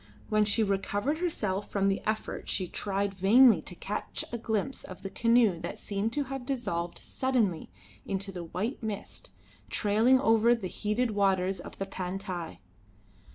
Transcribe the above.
When she recovered herself from the effort she tried vainly to catch a glimpse of the canoe that seemed to have dissolved suddenly into the white mist trailing over the heated waters of the Pantai.